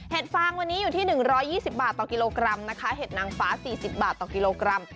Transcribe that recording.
ฟางวันนี้อยู่ที่๑๒๐บาทต่อกิโลกรัมนะคะเห็ดนางฟ้า๔๐บาทต่อกิโลกรัม